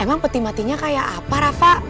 emang peti matinya kayak apa rafa